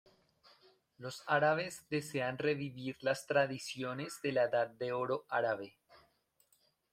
Los árabes desean revivir las tradiciones de la edad de oro árabe.